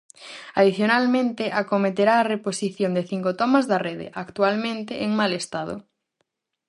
Adicionalmente, acometerá a reposición de cinco tomas da rede, actualmente en mal estado.